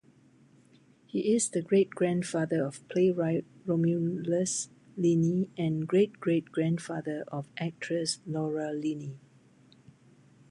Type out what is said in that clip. He is the great-grandfather of playwright Romulus Linney and great-great-grandfather of actress Laura Linney.